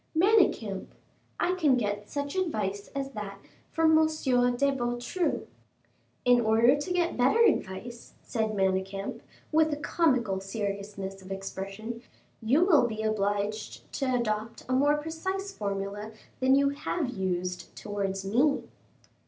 "Manicamp, I can get such advice as that from M. de Beautru." "In order to get better advice," said Manicamp, with a comical seriousness of expression, "you will be obliged to adopt a more precise formula than you have used towards me."